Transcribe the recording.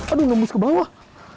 aduh nembus ke bawah